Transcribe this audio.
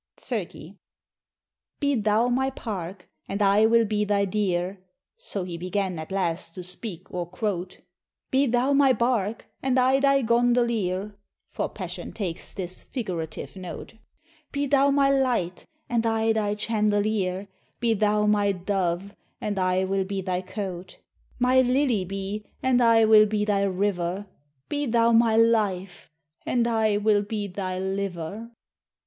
XXX. "Be thou my park, and I will be thy dear, (So he began at last to speak or quote;) Be thou my bark, and I thy gondolier, (For passion takes this figurative note;) Be thou my light, and I thy chandelier; Be thou my dove, and I will be thy cote: My lily be, and I will be thy river; Be thou my life and I will be thy liver."